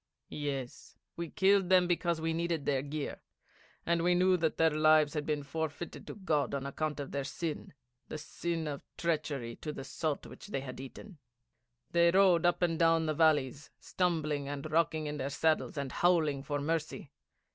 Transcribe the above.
'Yes, we killed them because we needed their gear, and we knew that their lives had been forfeited to God on account of their sin the sin of treachery to the salt which they had eaten. They rode up and down the valleys, stumbling and rocking in their saddles, and howling for mercy.